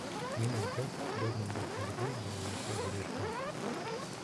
— Мин үлгәс, был мендәрҙәрҙе балаларға бирерһең!..